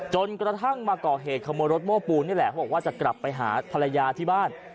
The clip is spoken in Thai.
จนกระทั่งมาก่อเหตุขโมยรถโม้ปูนนี่แหละเขาบอกว่าจะกลับไปหาภรรยาที่บ้าน